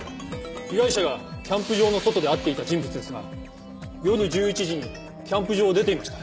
被害者がキャンプ場の外で会っていた人物ですが夜１１時にキャンプ場を出ていました。